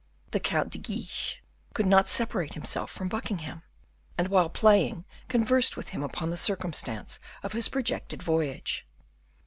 The Count de Guiche could not separate himself from Buckingham, and while playing, conversed with him upon the circumstance of his projected voyage.